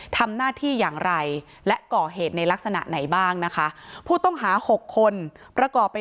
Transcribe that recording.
ทำหน้าที่อย่างไรและก่อเหตุในลักษณะไหนบ้างนะคะผู้ต้องหาหกคนประกอบไป